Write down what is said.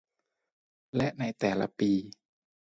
และในแต่ละปี